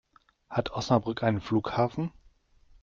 Hat Osnabrück einen Flughafen?